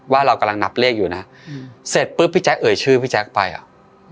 ว่าเรากำลังนับเลขอยู่นะอืมเสร็จปุ๊บพี่แจ๊เอ่ยชื่อพี่แจ๊คไปอ่ะ